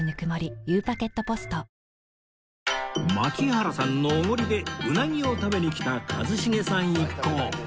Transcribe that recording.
槙原さんのおごりでうなぎを食べに来た一茂さん一行